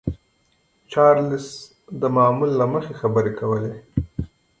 چارليس د معمول له مخې خبرې کولې.